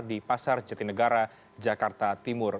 di pasar jatinegara jakarta timur